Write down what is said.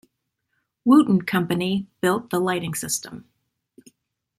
Wooten company built the lighting system.